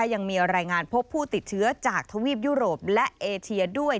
ยังมีรายงานพบผู้ติดเชื้อจากทวีปยุโรปและเอเชียด้วย